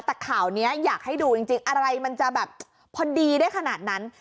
แต่ข่าวนี้อยากให้ดูจริงอะไรมันจะแบบพอดีได้ขนาดนั้น